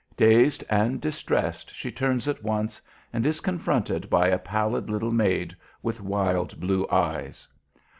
Dazed and distressed she turns at once, and is confronted by a pallid little maid with wild, blue eyes.